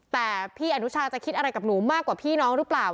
แต่พี่อนุชาจะคิดอะไรกับหนูมากกว่าพี่น้องหรือเปล่า